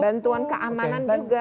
bantuan keamanan juga